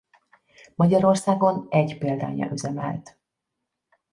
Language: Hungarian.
Magyarországon egy példánya üzemelt.